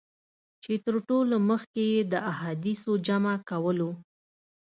چي تر ټولو مخکي یې د احادیثو جمع کولو.